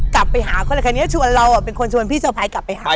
กลับไปหาเขาแล้วคันนี้ชวนเราเป็นคนชวนพี่เจ้าพายกลับไปหาเขา